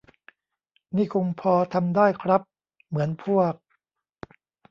นี่คงพอทำได้ครับ เหมือนพวก